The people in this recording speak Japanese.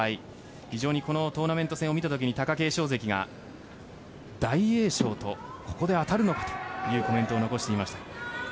非常にトーナメント戦を見たときに貴景勝関が大栄翔とここで当たるのかというコメントを残していました。